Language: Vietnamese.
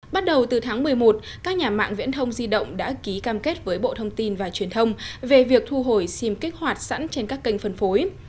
bắt đầu từ tháng một mươi một các nhà mạng viễn thông di động đã ký cam kết với bộ thông tin và truyền thông về việc thu hồi sim kích hoạt sẵn trên các kênh phân phối